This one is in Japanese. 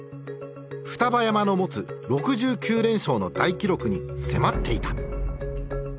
双葉山の持つ６９連勝の大記録に迫っていた。